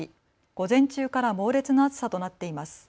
午前中から猛烈な暑さとなっています。